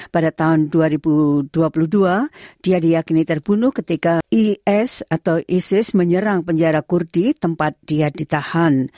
pada tahun dua ribu dua puluh dua dia diyakini terbunuh ketika is atau isis menyerang penjara kurdi tempat dia ditahan